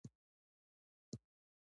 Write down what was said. د سمنګان په حضرت سلطان کې د ګچ کان شته.